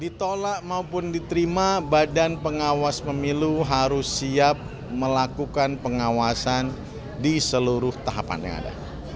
ditolak maupun diterima badan pengawas pemilu harus siap melakukan pengawasan di seluruh tahapan yang ada